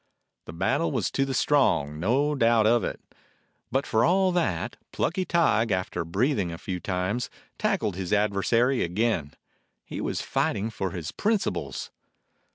The battle was to the strong ; no doubt of it. But for all that, plucky Tige, after breathing a few times, tackled his adversary again. He was fighting for his principles.